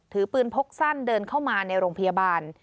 ถือปืนพกสั้นเดินเข้ามาในโรงพยาบาล